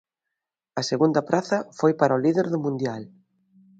A segunda praza foi para o líder do mundial.